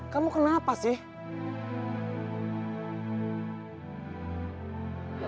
kamu kenapa sih